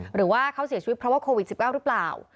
หรือว่าเขาเสียชีวิตเพราะว่าโควิด๑๙หรือเปล่า